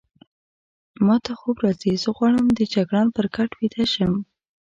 ما ته خوب راځي، زه غواړم د جګړن پر کټ ویده شم.